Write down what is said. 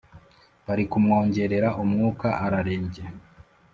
Barikumwongerera umwuka ararembye